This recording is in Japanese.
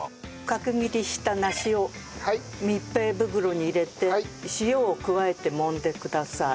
角切りした梨を密閉袋に入れて塩を加えて揉んでください。